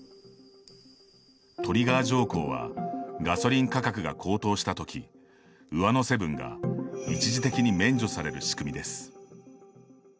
トリガー条項はガソリン価格が高騰したとき上乗せ分が一時的に免除される仕組みです。